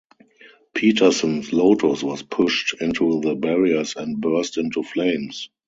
Peterson's Lotus was pushed into the barriers and burst into flames.